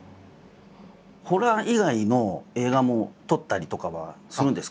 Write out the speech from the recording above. ホラー以外の映画も撮ったりとかはするんですか？